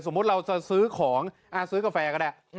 เราจะซื้อของซื้อกาแฟก็ได้